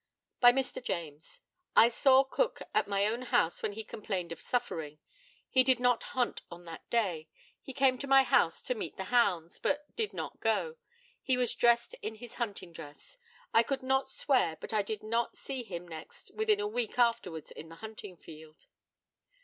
By Mr. JAMES: I saw Cook at my own house when he complained of suffering. He did not hunt on that day. He came to my house to meet the hounds, but did not go. He was dressed in his hunting dress. I could not swear I did not see him next within a week afterwards in the hunting field.